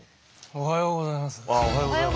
おはようございます。